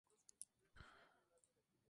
Siempre había algún socio controlando.